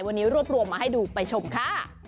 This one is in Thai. วันนี้รวบรวมมาให้ดูไปชมค่ะ